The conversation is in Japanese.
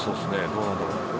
どうなんだろう？